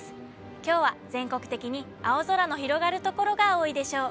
きょうは全国的に青空の広がる所が多いでしょう。